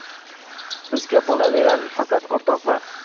Bizga bo’laverar Faqat, o’rtoqlar